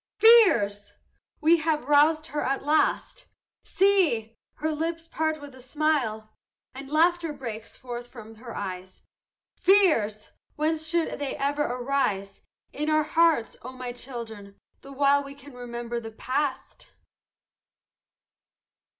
"Fears!" we have roused her at last; See! her lips part with a smile, And laughter breaks forth from her eyes, "Fears! whence should they ever arise In our hearts, O my children, the while We can remember the past?